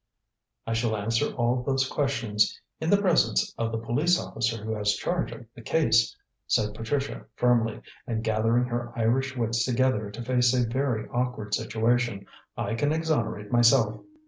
"I shall answer all those questions in the presence of the police officer who has charge of the case," said Patricia firmly, and gathering her Irish wits together to face a very awkward situation. "I can exonerate myself."